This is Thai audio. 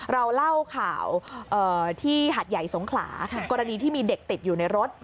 เราเล่าข่าวที่หาดใหญ่สงขลากรณีที่มีเด็กติดอยู่ในรถ